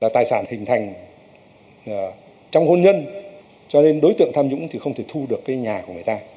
trong hôn nhân đối tượng tham nhũng không thể thu được nhà của người ta